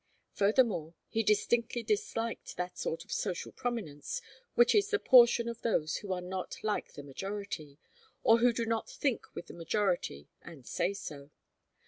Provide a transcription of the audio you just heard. Furthermore, he distinctly disliked that sort of social prominence which is the portion of those who are not like the majority, or who do not think with the majority and say so.